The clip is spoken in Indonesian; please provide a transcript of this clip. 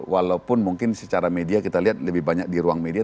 walaupun mungkin secara media kita lihat lebih banyak di ruang media